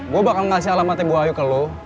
gua bakal ngasih alamatnya bu ayu ke lu